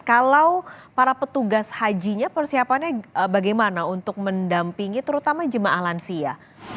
kalau para petugas hajinya persiapannya bagaimana untuk mendampingi terutama jemaah lansia